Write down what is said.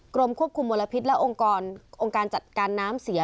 กรมควบคุมมลพิษและองค์การจัดการน้ำเสีย